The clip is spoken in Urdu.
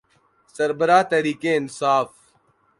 سربراہ تحریک انصاف۔